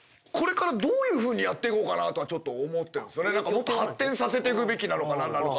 もっと発展させていくべきなのか何なのか。